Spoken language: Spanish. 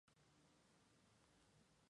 Las bayas del árbol son comestibles.